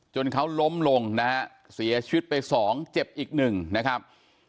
จนเขาล้มลงนะฮะเสียชีวิตไปสองเจ็บอีกหนึ่งนะครับ